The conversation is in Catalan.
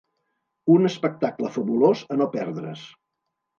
Un espectacle fabulós a no perdre's.